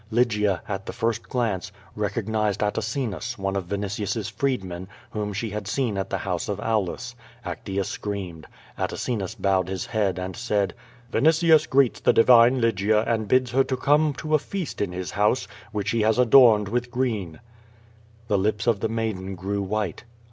Lygia, at the first glance, rec ognized Atacinus, one of Vinitius's freedmen, whom she had seen at the house of Aulus. Actea screamed. Atacinus bowed his head and said: "Vinitius greets the divine Lygia and bids her to come to a feast in his house, which he has adorned with green/^ The lips of the maiden grew white.